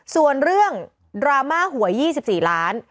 ส่วนเรื่องดราม่าหวย๒๔ล้าน